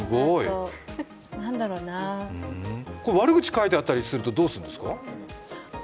悪口書いてあったりすると、どうするんですか？